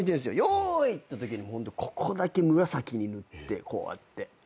「用意」ってときにここだけ紫に塗ってこうやって。